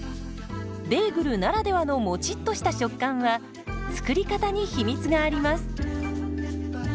ベーグルならではのもちっとした食感は作り方に秘密があります。